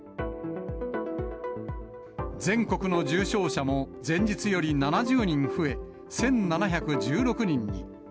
全国の重症者も前日より７０人増え、１７１６人に。